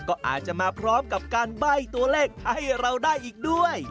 ก็อาจจะมาพร้อมกับการใบ้ตัวเลขให้เราได้อีกด้วย